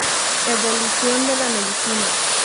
Evolución de la Medicina.